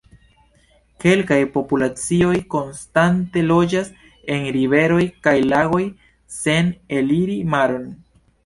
Kelkaj populacioj konstante loĝas en riveroj kaj lagoj sen eliri maron.